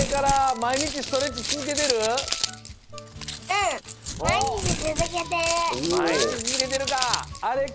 まいにちつづけてるか。